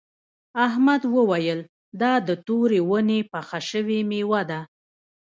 احمد وویل دا د تورې ونې پخه شوې میوه ده.